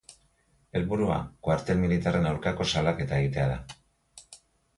Helburua, kuartel militarren aurkako salaketa egitea da.